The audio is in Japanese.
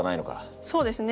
そうですね。